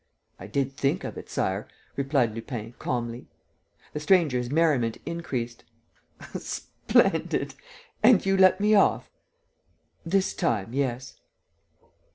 "I did think of it, Sire," replied Lupin, calmly. The stranger's merriment increased: "Splendid! And you let me off?" "This time, yes."